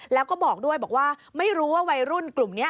แล้วก็บอกด้วยบอกว่าไม่รู้ว่าวัยรุ่นกลุ่มนี้